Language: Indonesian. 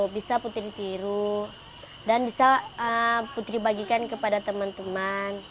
bisa putri tiru dan bisa putri bagikan kepada teman teman